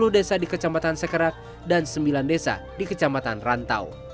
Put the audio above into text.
sepuluh desa di kecamatan sekerak dan sembilan desa di kecamatan rantau